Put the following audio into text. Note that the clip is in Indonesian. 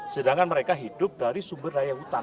sedangkan mereka hidup dari sumber daya hutan